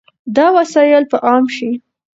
دا وسایل به عام شي.